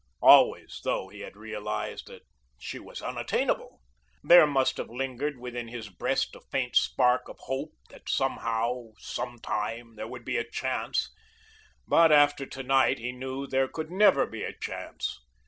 Always, though he had realized that she was unattainable, there must have lingered within his breast a faint spark of hope that somehow, some time, there would be a chance, but after to night he knew there could never be a chance.